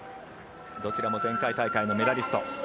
どちらも前回大会のメダリスト。